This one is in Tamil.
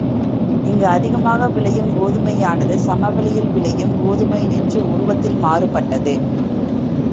இங்கு அதிகமாக விளையும் கோதுமையானது, சமவெளியில் விளையும் கோதுமையினின்றும் உருவத்தில் மாறுபட்டது.